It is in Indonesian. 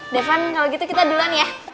daven kalau gitu kita duluan ya